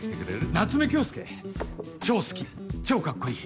夏目恭輔超好き超カッコいい！